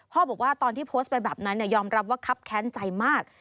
บอกว่าตอนที่โพสต์ไปแบบนั้นยอมรับว่าครับแค้นใจมาก